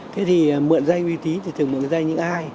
thế thì mượn danh uy tín thì thường mượn danh những ai